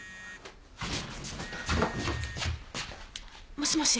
もしもし。